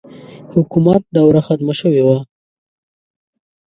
حکومت دوره ختمه شوې وه.